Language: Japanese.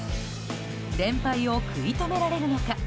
連敗を食い止められるのか。